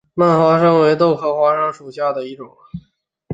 蔓花生为豆科花生属下的一个种。